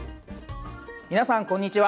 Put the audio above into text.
皆さん、こんにちは。